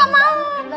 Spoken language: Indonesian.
arfi tadi kan udah